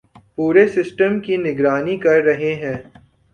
پورے سسٹم کی نگرانی کررہے ہیں